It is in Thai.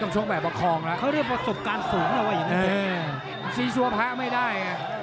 ต้องชกแบบประคองละสี่สัวพระไม่ได้